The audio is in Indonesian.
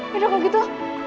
ya udah kalau gitu